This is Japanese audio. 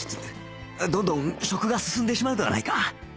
どんどん食が進んでしまうではないか